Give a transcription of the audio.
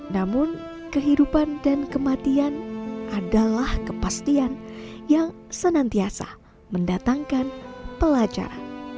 namun kehidupan dan kematian adalah kepastian yang senantiasa mendatangkan pelajar